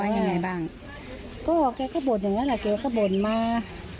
ยังไงบ้างก็แกก็บ่นอย่างนั้นแหละแกก็บ่นมา